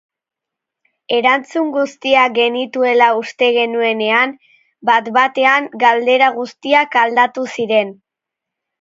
Erantzun guztiak genituela uste genuenean, bat-batean galdera guztiak aldatu ziren